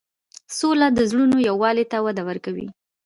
سوله د زړونو یووالی ته وده ورکوي.